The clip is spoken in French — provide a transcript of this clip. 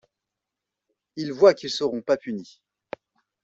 Ils voient qu'ils seront pas punis.